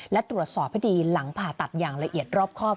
และตรวจสอบให้ดีหลังผ่าตัดอย่างละเอียดรอบครอบ